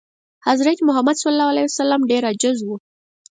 حضرت محمد ﷺ ډېر عاجز و.